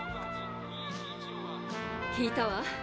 聞いたわ。